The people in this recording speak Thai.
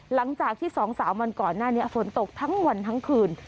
หลังจากที่๒๓วันก่อนหน้านี้ฝนตกทั้งวันทั้งคืน